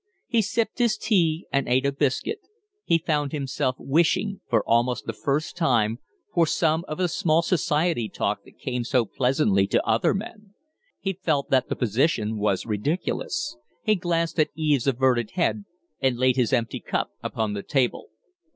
He sipped his tea and ate a biscuit. He found himself wishing, for almost the first time, for some of the small society talk that came so pleasantly to other men. He felt that the position was ridiculous. He glanced at Eve's averted head, and laid his empty cup upon the table.